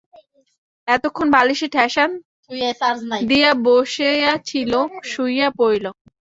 এতক্ষণ বালিশে ঠেসান দিয়া বসিয়াছিল, শুইয়া পড়িল।